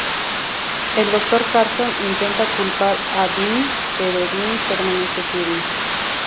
El Dr. Carson intenta culpar a Dwight, pero Dwight permanece firme.